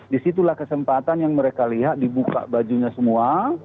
disitulah kesempatan yang mereka lihat dibuka bajunya semua